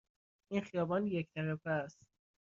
این خیابان یک طرفه است.